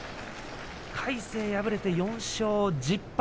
魁聖は敗れて４勝１０敗。